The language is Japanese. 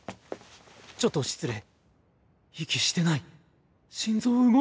ちょっと失礼。